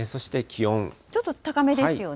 ちょっと高めですよね。